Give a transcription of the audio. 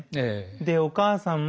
でお母さんも。